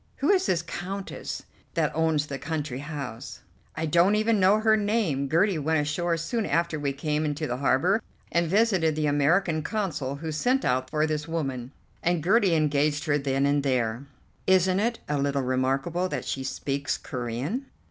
"Who is this Countess that owns the country house?" "I don't even know her name. Gertie went ashore soon after we came into the harbour and visited the American Consul, who sent out for this woman, and Gertie engaged her then and there." "Isn't it a little remarkable that she speaks Corean?"